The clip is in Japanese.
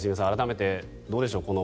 改めてどうでしょう。